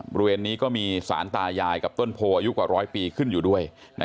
บริเวณนี้ก็มีสารตายายกับต้นโพอายุกว่าร้อยปีขึ้นอยู่ด้วย